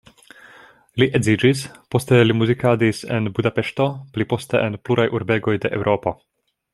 Li edziĝis, poste li muzikadis en Budapeŝto, pli poste en pluraj urbegoj de Eŭropo.